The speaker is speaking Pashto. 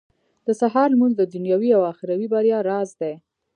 • د سهار لمونځ د دنيوي او اخروي بريا راز دی.